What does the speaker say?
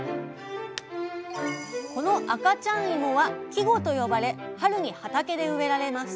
この赤ちゃん芋は生子と呼ばれ春に畑で植えられます。